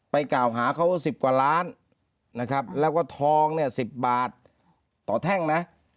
กล่าวหาเขา๑๐กว่าล้านนะครับแล้วก็ทองเนี่ย๑๐บาทต่อแท่งนะ